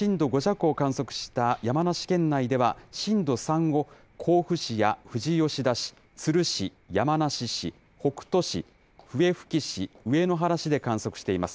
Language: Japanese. そして大月市で震度５弱を観測した山梨県内では、震度３を甲府市や富士吉田市、都留市、山梨市、北杜市、笛吹市、上野原市で観測しています。